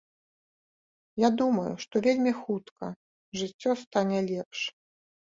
Я думаю, што вельмі хутка жыццё стане лепш.